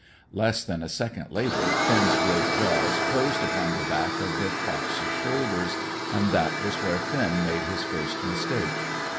Less than a second later, Finn's great jaws closed upon the back of the fox's shoulders; and that was where Finn made his first mistake.